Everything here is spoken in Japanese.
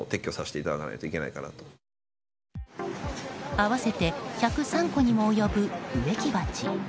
合わせて１０３個にも及ぶ植木鉢。